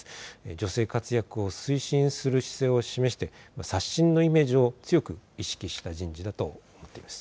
女性活躍を推進する姿勢を示して刷新のイメージを強く意識した人事だと思います。